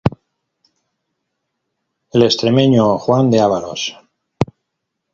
El extremeño Juan de Ávalos.